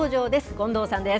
権藤さんです。